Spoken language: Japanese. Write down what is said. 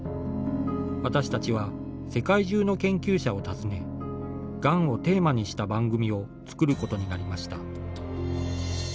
私たちは世界中の研究者を訪ねがんをテーマにした番組を作ることになりました。